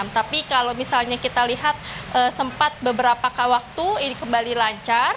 tapi kalau misalnya kita lihat sempat beberapa waktu ini kembali lancar